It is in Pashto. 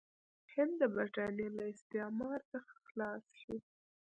هند د برټانیې له استعمار څخه خلاص شي.